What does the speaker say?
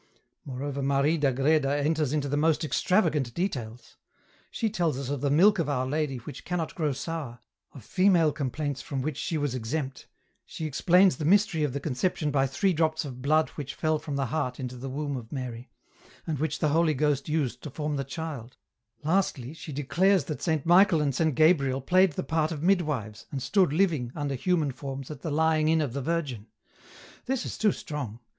Moreover Marie d'Agreda enters into most extravagant details. She tells us of the milk of Our Lady which cannot grow sour, of female complaints from which she was exempt, she explains the mystery of the conception by three drops of blood which fell from the heart into the womb of Mary, and which the Holy Ghost used to form the child ; lastly, she declares that Saint Michael and Saint Gabriel played the part of midwives, and stood living, under human forms, at the lying in of the Virgin. " This is too strong.